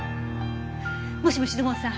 もしもし土門さん。